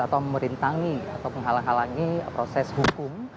atau merintangi atau menghalangi proses hukum